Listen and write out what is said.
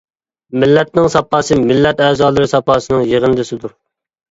مىللەتنىڭ ساپاسى مىللەت ئەزالىرى ساپاسىنىڭ يىغىندىسىدۇر.